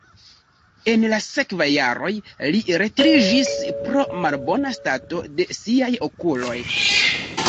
En la sekvaj jaroj li retiriĝis pro malbona stato de siaj okuloj.